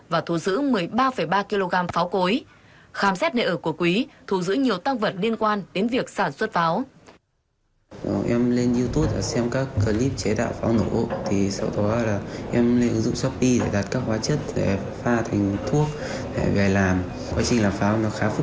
và thu giữ một mươi ba ba kg pháo cối khám xét nơi ở của quý thu giữ nhiều tăng vật liên quan đến việc sản xuất pháo